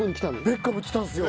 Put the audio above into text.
ベッカム来たんすよ。